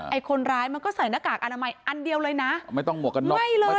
คนร้ายมันก็ใส่หน้ากากอนามัยอันเดียวเลยนะไม่ต้องหมวกกันน็อกใช่เลย